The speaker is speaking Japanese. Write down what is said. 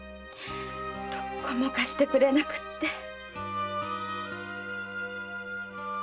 どこも貸してくれなくて！